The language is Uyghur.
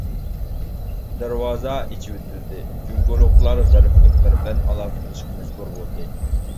دەرۋازا ئېچىۋېتىلدى، جۇڭگولۇقلار غەربلىكلەر بىلەن ئالاقە قىلىشقا مەجبۇر بولدى.